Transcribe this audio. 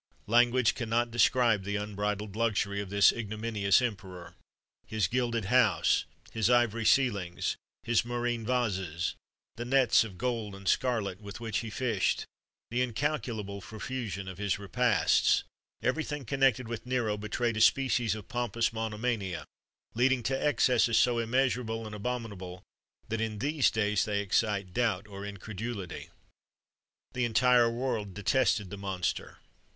Language cannot describe the unbridled luxury of this ignominious emperor. His gilded house, his ivory ceilings, his murrhine vases, the nets of gold and scarlet with which he fished, the incalculable profusion of his repasts everything connected with Nero betrayed a species of pompous monomania, leading to excesses so immeasurable and abominable that in these days they excite doubt or incredulity. The entire world detested the monster.